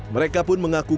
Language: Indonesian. mereka pun mengaku